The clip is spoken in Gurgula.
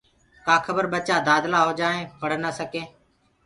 ڪآ کبر ٻچآ دآدلآ هوجآئين پڙه نآ سڪين